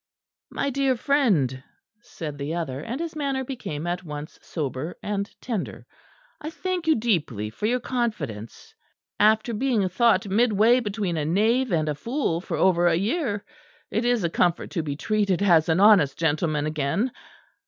"My dear friend," said the other, and his manner became at once sober and tender, "I thank you deeply for your confidence. After being thought midway between a knave and a fool for over a year, it is a comfort to be treated as an honest gentleman again.